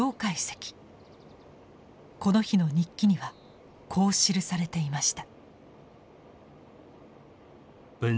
この日の日記にはこう記されていました。